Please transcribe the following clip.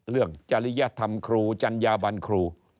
เรื่องจริยธรรมครูจรรยาบรรค์ครู